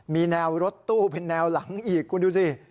มีแนวรถตู้เป็นแนวหลังอีกคุณดูสิ